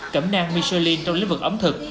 cẩm nang michelin trong lĩnh vực ẩm thực